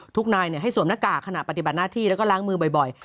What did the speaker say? ทุกนายให้สวมหน้ากากขณะปฏิบัติหน้าที่แล้วก็ล้างมือบ่อย